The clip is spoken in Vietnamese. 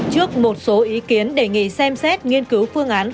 trước một số ý kiến đề nghị xem xét nghiên cứu phương án